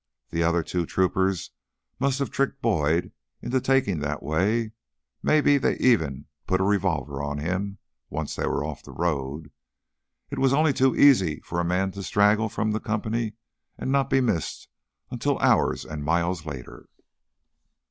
The other two troopers must have tricked Boyd into taking that way; maybe they had even put a revolver on him once they were off the road. It was only too easy for a man to straggle from the company and not be missed until hours and miles later.